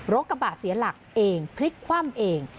รถกระบะเสียหลักเองพลิกคว่ำเอง